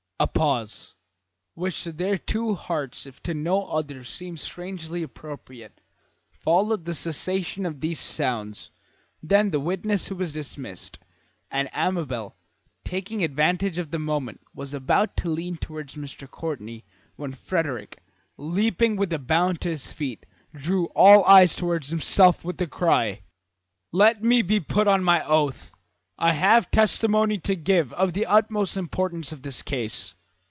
A pause, which to their two hearts if to no others seemed strangely appropriate, followed the cessation of these sounds, then the witness was dismissed, and Amabel, taking advantage of the movement, was about to lean toward Mr. Courtney, when Frederick, leaping with a bound to his feet, drew all eyes towards himself with the cry: "Let me be put on my oath. I have testimony to give of the utmost importance in this case."